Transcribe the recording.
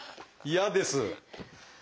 嫌です。